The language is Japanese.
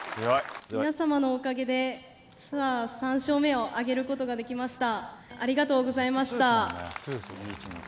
皆様のおかげで、ツアー３勝目を挙げることができました。